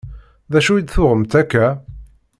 D acu i d-tuɣemt akka?